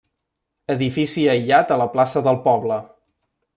Edifici aïllat a la plaça del poble.